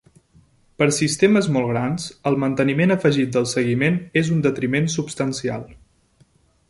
Per a sistemes molt grans, el manteniment afegit del seguiment és un detriment substancial.